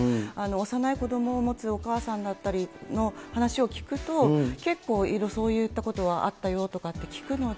幼い子どもを持つお母さんだったりの話を聞くと、結構そういったことはあったよとかって聞くので。